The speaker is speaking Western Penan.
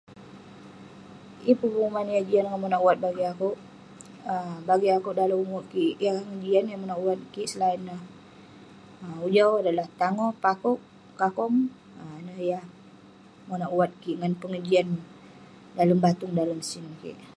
Yeng pun penguman yah jian ngan monak wat bagik akouk, bagik akouk dalem umerk kik, yah ngejian yah monak wat kik selain neh bujau, adalah tangoh pakewk, kakong..ineh yah monak wat kik ngan kejian dalem batung dalem sin kik